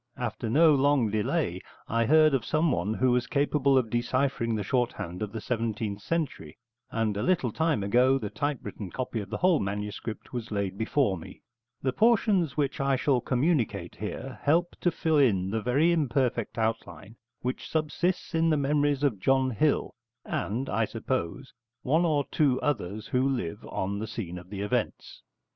After no long delay I heard of someone who was capable of deciphering the shorthand of the seventeenth century, and a little time ago the typewritten copy of the whole manuscript was laid before me. The portions which I shall communicate here help to fill in the very imperfect outline which subsists in the memories of John Hill and, I suppose, one or two others who live on the scene of the events.